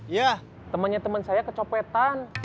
iya temennya temen saya kecopetan